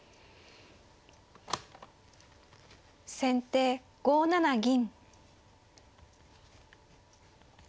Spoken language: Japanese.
先手５七銀。